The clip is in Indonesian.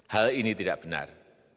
hal ini tidak benar